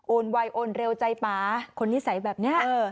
ไวโอนเร็วใจป่าคนนิสัยแบบนี้